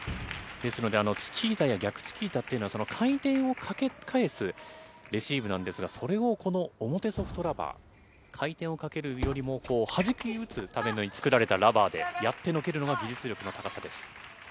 ですので、チキータや逆チキータというのは、回転をかけ返すレシーブなんですが、それをこの表ソフトラバー、回転をかけるよりも、はじき打つために作られたラバーでやってのけるのが、技術力の高さです。